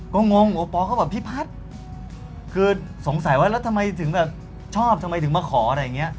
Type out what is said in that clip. ก็งงโอปอลเขาบอกพี่พัฒน์คือสงสัยว่าแล้วทำไมถึงแบบชอบทำไมถึงมาขออะไรอย่างเงี้ย